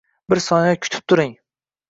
Bir soniya kutib turing.